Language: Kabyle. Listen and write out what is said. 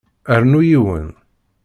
Rnu yiwen.